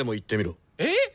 えっ！？